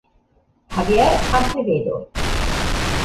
Javier Acevedo